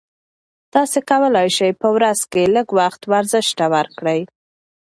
تاسي کولای شئ په ورځ کې لږ وخت ورزش ته ورکړئ.